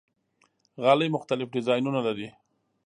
غالۍ مختلف ډیزاینونه لري.